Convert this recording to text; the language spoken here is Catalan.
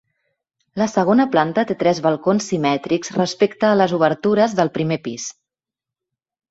La segona planta té tres balcons simètrics respecte a les obertures del primer pis.